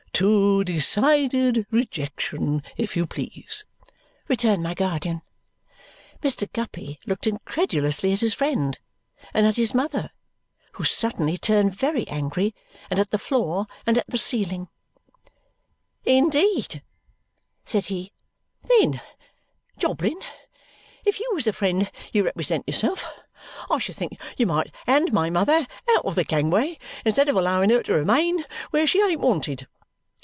"To decided rejection, if you please," returned my guardian. Mr. Guppy looked incredulously at his friend, and at his mother, who suddenly turned very angry, and at the floor, and at the ceiling. "Indeed?" said he. "Then, Jobling, if you was the friend you represent yourself, I should think you might hand my mother out of the gangway instead of allowing her to remain where she ain't wanted."